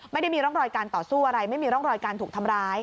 ไม่ได้มีร่องรอยการต่อสู้อะไรไม่มีร่องรอยการถูกทำร้าย